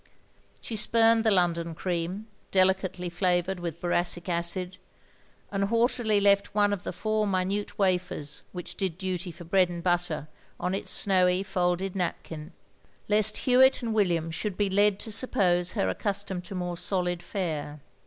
She sptimed the London cream, delicately flavoured with boracic acid, and haughtily left one of the four minute wafers which did duty for bread and butter on its snowy folded napkin, lest Hewitt and William should be led to suppose her accustomed to more solid fare.